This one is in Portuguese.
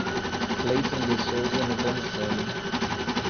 Claiton de Souza Nepomuceno